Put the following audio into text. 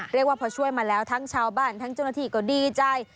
เรียกว่าพอช่วยมาแล้วทั้งชาวบ้านทั้งเจ้าหน้าที่ก็ดีใจ